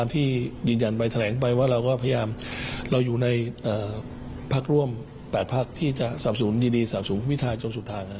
ที่จะสาขาสรบสูงดีสร้างสบุทรความสุขทาง